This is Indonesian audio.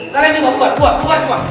kalian ini gue bubar bubar semua